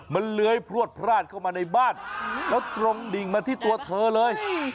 มันเลื้อยพลวดพลาดเข้ามาในบ้านแล้วตรงดิ่งมาที่ตัวเธอเลย